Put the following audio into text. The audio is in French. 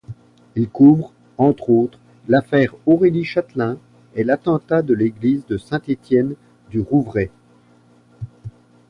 Il couvre, entre autres, l'affaire Aurélie Chatelain et l'Attentat de l'église de Saint-Etienne-du-Rouvray.